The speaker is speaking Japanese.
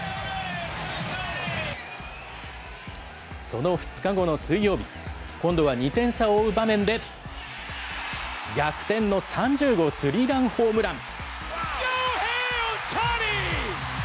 その２日後の水曜日、今度は２点差を追う場面で、逆転の３０号スリーランホームラン。